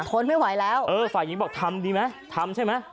ทนไม่ไหวแล้วเออฝ่ายหญิงบอกทำดีไหมทำใช่ไหม